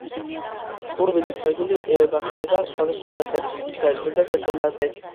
ტურბინის რეგულირება ხდება სხვადასხვა ნაკადის სიჩქარეზე და ზეწოლაზე.